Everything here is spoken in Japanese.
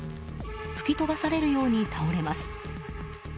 吹き飛ばされるように倒れます。